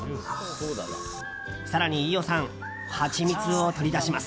更に、飯尾さんハチミツを取り出します。